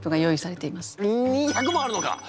２００もあるのか！